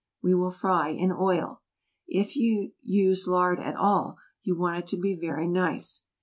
We will fry in oil. If you use lard at all you want it to be very nice.